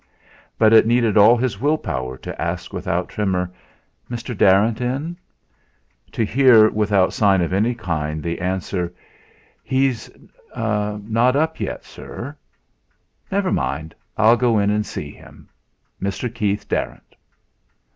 But it needed all his will power to ask without tremor: "Mr. Darrant in?" to hear without sign of any kind the answer: "He's not up yet, sir." "Never mind; I'll go in and see him. Mr. Keith Darrant."